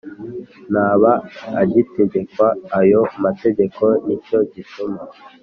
ntaba agitegekwa n ayo mategeko ni cyo gituma